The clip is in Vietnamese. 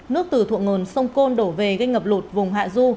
nước từ thượng nguồn sông côn đổ về gây ngập lụt vùng hạ du